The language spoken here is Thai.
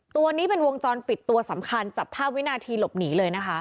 ตัวนี้เป็นวงจรปิดตัวสำคัญจับภาพวินาทีหลบหนีเลยนะคะ